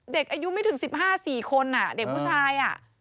เด็กอายุไม่ถึง๑๕๔คนเด็กผู้ชาย